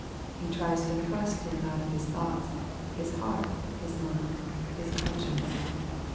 He tries to thrust Him out of his thoughts, his heart, his mind, his conscience.